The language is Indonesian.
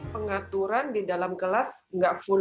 pengaturan di dalam kelas nggak full